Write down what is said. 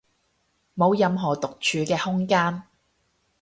冇任何獨處嘅空間